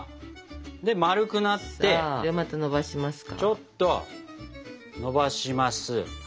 ちょっとのばします。